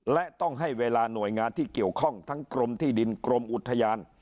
และต้องให้เวลาหน่วยงานที่เกี่ยวข้องทั้งกรมที่ดินกรมอุทยาน